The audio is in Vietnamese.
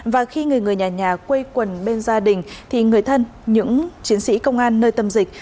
và khi người người nhà nhà quây quần bên gia đình thì người thân những chiến sĩ công an nơi tâm dịch